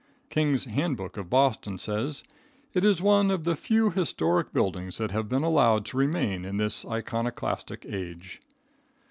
King's Handbook of Boston says: "It is one of the few historic buildings that have been allowed to remain in this iconoclastic age."